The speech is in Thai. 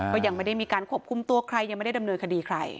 ก็ยังไม่ได้มีการควบคุมตัวใครยังไม่ได้ดำเนินคดีใคร